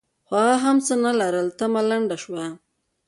خو هغه هم څه نه لرل؛ تمه لنډه شوه.